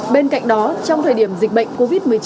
bên cạnh đó trong thời điểm dịch bệnh covid một mươi chín